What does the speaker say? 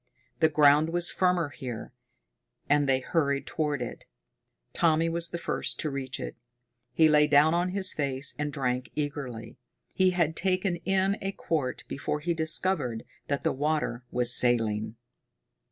The ground was firmer here, and they hurried toward it. Tommy was the first to reach it. He lay down on his face and drank eagerly. He had taken in a quart before he discovered that the water was saline.